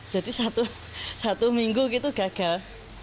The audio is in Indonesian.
jadi satu minggu itu gagal